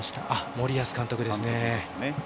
森保監督ですね。